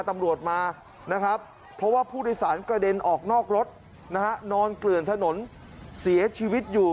ตำรวจมานะครับเพราะว่าผู้โดยสารกระเด็นออกนอกรถนะฮะนอนเกลื่อนถนนเสียชีวิตอยู่